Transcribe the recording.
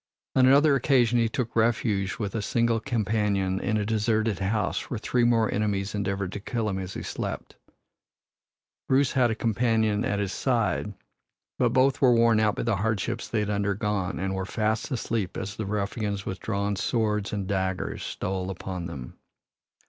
On another occasion he took refuge with a single companion in a deserted house where three more enemies endeavored to kill him as he slept. Bruce had a companion at his side, but both were worn out by the hardships they had undergone and were fast asleep as the ruffians with drawn swords and daggers stole upon them.